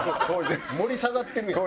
盛り下がってるよ。